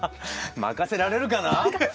任せられるかな？